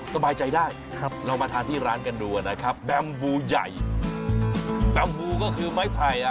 สบายใจได้เรามาทานที่ร้านกันดูกันนะครับแบมบูยัยแบมบูก็คือไม้ไผ่